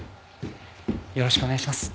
よろしくお願いします。